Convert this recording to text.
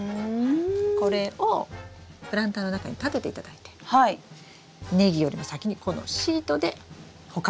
これをプランターの中に立てていただいてネギよりも先にこのシートで捕獲してしまいます。